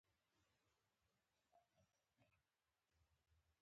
د اصل نسخې دریم استنساخ دی.